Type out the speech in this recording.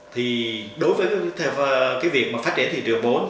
thì đối với việc phát triển thị trường bốn